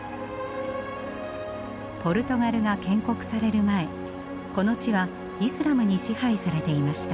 ポルトガルが建国される前この地はイスラムに支配されていました。